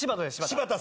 柴田。